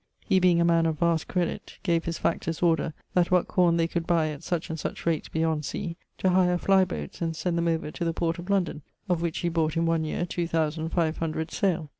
He being a man of vast credit, gave his factors order that what corne they could buy at such and such rates beyond sea, to hire flye boates and send them over to the port of London, of which he bought in one yeare two thousand five hundred sayle.